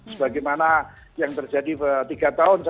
sebagaimana yang terjadi tiga tahun